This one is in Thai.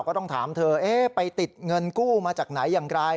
ก็ต้องถามเธอไปติดเงินกู้มาจากไหนอย่างไร